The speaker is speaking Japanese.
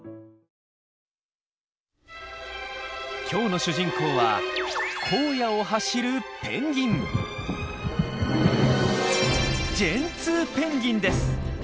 今日の主人公は荒野を走るペンギン！